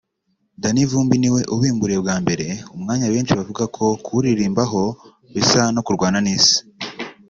Danny Vumbi ni we ubimburiye bwa mbere [umwanya benshi bavuga ko kuwuririmbaho bisa no kurwana n’Isi]